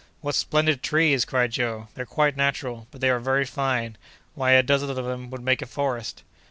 "What splendid trees!" cried Joe. "They're quite natural, but they are very fine! Why a dozen of them would make a forest!"